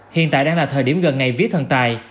hiện tại đang là thời điểm gần ngày vía thần tài